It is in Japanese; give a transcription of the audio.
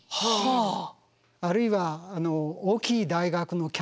あるいは大きい大学のキャンパス。